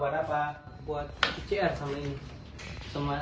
buat pcr sama antigen